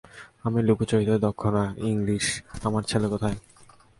আমি লুকোচুরিতে দক্ষ না ইংলিশ, আমার ছেলে কোথায়?